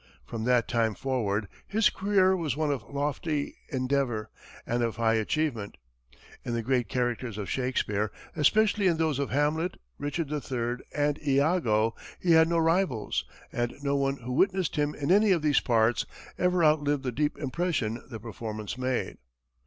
From that time forward, his career was one of lofty endeavor and of high achievement. In the great characters of Shakespeare, especially in those of Hamlet, Richard the Third, and Iago, he had no rivals, and no one who witnessed him in any of these parts ever outlived the deep impression the performance made.